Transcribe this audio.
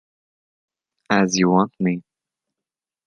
As you want me.